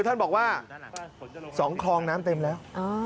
ท่านบอกว่า๒คลองน้ำเต็มแล้ว